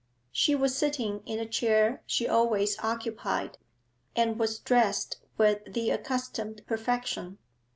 She was sitting in the chair she always occupied, and was dressed with the accustomed perfection.